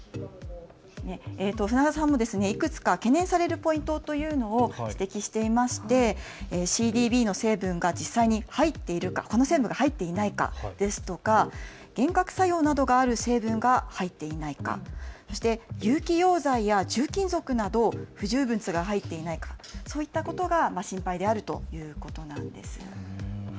舩田さんもいくつか懸念されるポイントというのを指摘していましてＣＢＤの成分が実際に入っているか、この成分が入っていないかですとか幻覚作用などがある成分が入っていないか、そして有機溶剤や重金属など不純物が入っていないか、そういったことが心配であるということなんです。